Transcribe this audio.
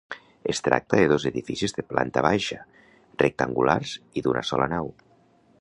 Es tracta de dos edificis de planta baixa, rectangulars i d'una sola nau.